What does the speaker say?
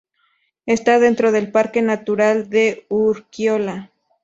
Está dentro del Parque Natural de Urkiola.